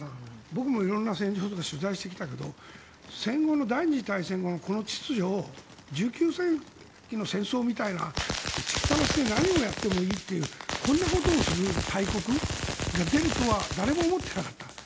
僕も色んな戦場とか取材してきたけど戦後の第２次大戦後のこの秩序を１９世紀の戦争みたいな撃ちっぱなしで何をやってもいいというこんなことをする大国が出るとは誰も思ってなかった。